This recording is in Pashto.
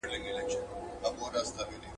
اوگره ځيني توى سوه، ده ول په نصيب مي نه وه.